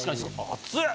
熱い？